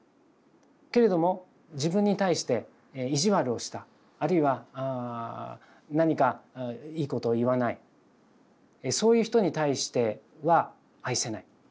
けれども自分に対して意地悪をしたあるいは何かいいことを言わないそういう人に対しては愛せない。